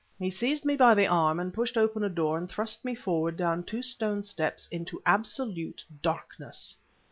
He seized me by the arm, pushed open a door and thrust me forward down two stone steps into absolute darkness.